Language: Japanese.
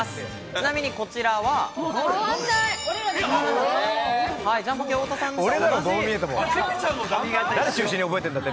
ちなみにこちらは、ジャンポケ・太田さんでした。